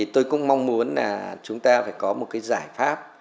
tôi cũng mong muốn là chúng ta phải có một giải pháp